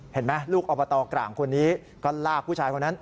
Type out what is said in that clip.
เห็นไหมลูกอบตกร่างคนนี้ก็ลากผู้ชายคนนั้น